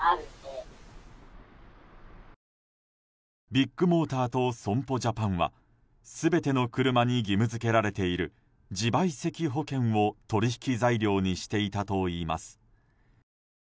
ビッグモーターと損保ジャパンは全ての車に義務付けられている自賠責保険を取引材料にしていたといいます。